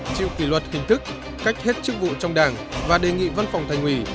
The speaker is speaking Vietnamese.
chịu kỷ luật hình thức cách hết chức vụ trong đảng và đề nghị văn phòng thành ủy